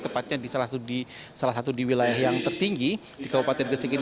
tepatnya di salah satu di wilayah yang tertinggi di kabupaten gresik ini